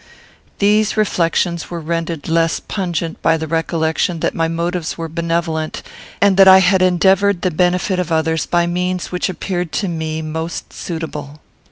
These reflections were rendered less pungent by the recollection that my motives were benevolent, and that I had endeavoured the benefit of others by means which appeared to me most suitable.